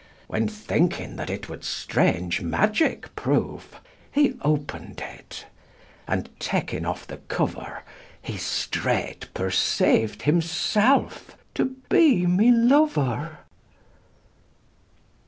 When, thinking that it would strage Magique proue, He open'd it : and taking off the couer He straight perceau'd himselfe to be my Louer.